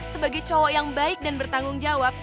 sebagai cowok yang baik dan bertanggung jawab